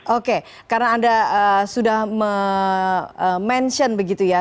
oke karena anda sudah mention begitu ya